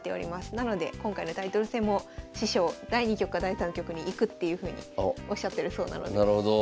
なので今回のタイトル戦も師匠第２局か第３局に行くっていうふうにおっしゃってるそうなのでなるほど。